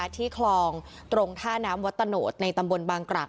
ที่คลองตรงท่าน้ำวัดตะโนธในตำบลบางกรัก